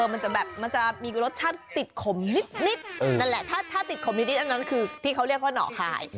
มันจะแบบมันจะมีรสชาติติดขมนิดนั่นแหละถ้าติดขมนิดอันนั้นคือที่เขาเรียกว่าหน่อคาย